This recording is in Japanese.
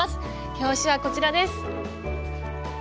表紙はこちらです。